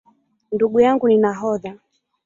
Ndugu yangu ni nahodha